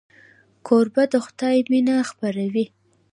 کوربه د خدای مینه خپروي.